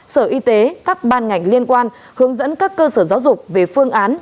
sở y tế các ban ngành liên quan hướng dẫn các cơ sở giáo dục về phương án